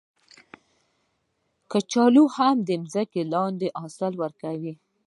کچالو هم د ځمکې لاندې حاصل ورکوي